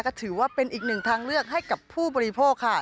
ก็ถือว่าเป็นอีกหนึ่งทางเลือกให้กับผู้บริโภคค่ะ